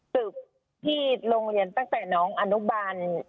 สืบที่โรงเรียนตั้งแต่น้องอนุบาล